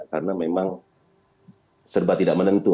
karena memang serba tidak menentu